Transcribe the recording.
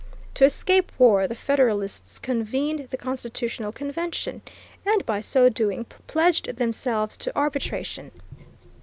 To escape war the Federalists convened the constitutional convention, and by so doing pledged themselves to arbitration.